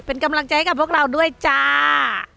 เป็นกำลังใจให้กับพวกเราด้วยจ้า